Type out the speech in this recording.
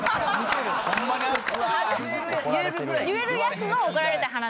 言えるやつの怒られた話。